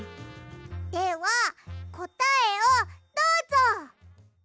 ではこたえをどうぞ！